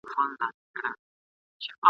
چي څوک ولویږي له واک او له قدرته !.